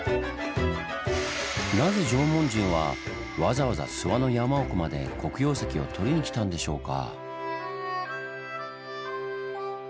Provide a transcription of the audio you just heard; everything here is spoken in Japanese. なぜ縄文人はわざわざ諏訪の山奥まで黒曜石をとりに来たんでしょうか？